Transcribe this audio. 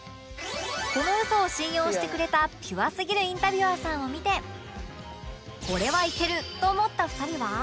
このウソを信用してくれたピュアすぎるインタビュアーさんを見てこれはいける！と思った２人は